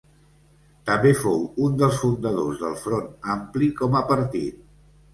També fou un dels fundadors del Front Ampli com a partit.